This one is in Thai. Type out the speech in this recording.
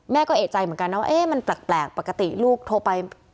แม่ก็เอกใจเหมือนกันนะว่ามันแปลกปกติลูกโทรไป